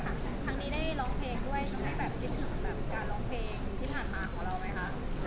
ครั้งนี้ได้ร้องเพลงด้วยต้องมีแบบริสุทธิ์สำหรับการร้องเพลงที่สามารถของเราไหมคะ